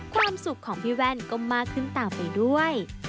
ความสุขของพี่แว่นก็มากขึ้นตามไปด้วย